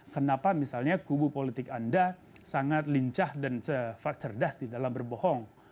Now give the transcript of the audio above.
kenapa misalnya kubu politik anda sangat lincah dan cerdas di dalam berbohong